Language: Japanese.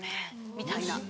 みたいな。